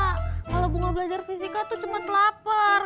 kalau ibu gak belajar fisika tuh cuman lapar